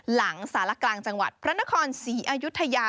หลังสารกลางจังหวัดพระนครศรีอายุทยา